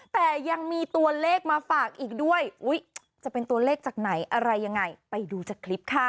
แต่ยังมีตัวเลขมาฝากอีกด้วยจะเป็นตัวเลขจากไหนอะไรยังไงไปดูจากคลิปค่ะ